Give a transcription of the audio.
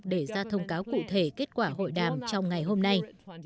để ra thông cáo cụ thể kết quả hội đàm trong ngày hôm nay